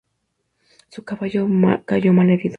Su caballo cayó malherido.